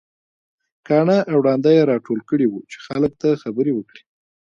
کاڼه او ړانده يې راټول کړي وو چې خلک ته خبرې وکړي.